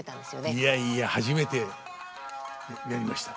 いやいや初めてやりました。